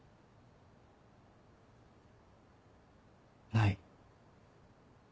ない。